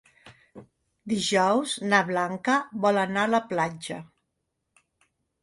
Dijous na Blanca vol anar a la platja.